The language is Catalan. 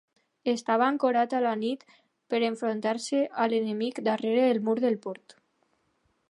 Estava ancorat a la nit per enfrontar-se a l'enemic darrere del mur del port.